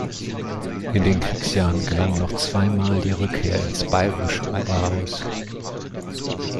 In den Kriegsjahren gelang noch zwei Mal die Rückkehr ins bayerische Oberhaus.